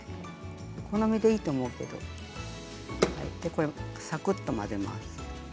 お好みでいいと思うけどさくっと混ぜます。